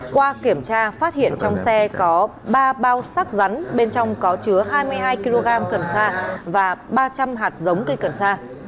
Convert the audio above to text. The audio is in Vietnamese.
qua kiểm tra phát hiện trong xe có ba bao sắc rắn bên trong có chứa hai mươi hai kg cần sa và ba trăm linh hạt giống cây cần sa